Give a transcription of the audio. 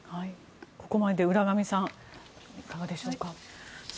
ここまでで浦上さんいかがでしょうか。